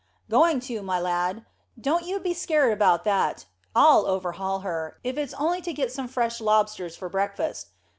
"Going to, my lad. Don't you be scared about that. I'll overhaul her, if it's only to get some fresh lobsters for breakfast.